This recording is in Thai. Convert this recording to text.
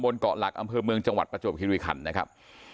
นะครับ